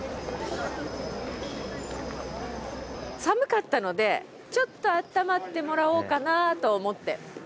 寒かったのでちょっとあったまってもらおうかなと思って。